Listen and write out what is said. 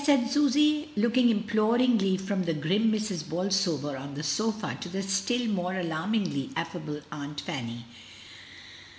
said Susy, looking im ploringly from the grim Mrs. Bolsover on the sofa to the still more alarmingly affable Aunt Fanny.